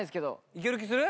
いける気する？